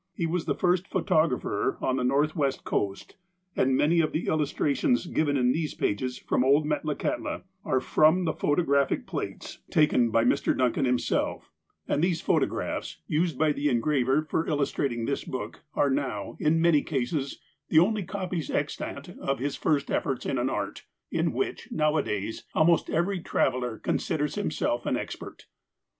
He was the lii st photographer on the Northwest coast, and many of the illustrations given in these pages from old Metlakahtla are from photographic plates taken by METLAKAHTLA BASEBALL NLNE THE BRASS BAND AT METLAKAHTLA BACK IN OLD ENGLAND 225 Mr. Duncan liimself, and these photographs, used by the engraver for illustrating this book, are now, in many cases, the only copies extant of his first efforts in an art m which, nowadays, almost every traveller considers himself an expert.